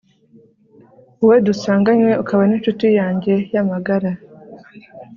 wowe dusanganywe, ukaba n'incuti yanjye y'amagara